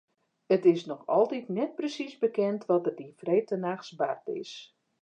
It is noch altyd net presiis bekend wat der dy freedtenachts bard is.